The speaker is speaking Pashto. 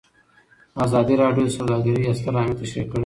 ازادي راډیو د سوداګري ستر اهميت تشریح کړی.